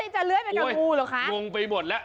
ทั้งเลื่อยและงูหลงไปหมดแล้ว